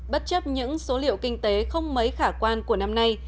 bất chấp những số liệu kinh tế không mấy khả quan của năm nay